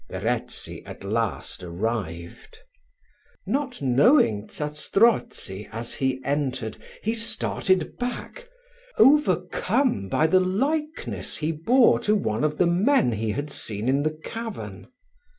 Verezzi at last arrived. Not knowing Zastrozzi as he entered, he started back, overcome by the likeness he bore to one of the men he had seen in the cavern.